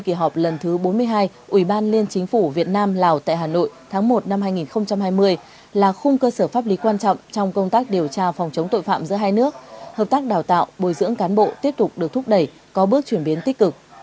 kỳ họp lần thứ bốn mươi hai ủy ban liên chính phủ việt nam lào tại hà nội tháng một năm hai nghìn hai mươi là khung cơ sở pháp lý quan trọng trong công tác điều tra phòng chống tội phạm giữa hai nước hợp tác đào tạo bồi dưỡng cán bộ tiếp tục được thúc đẩy có bước chuyển biến tích cực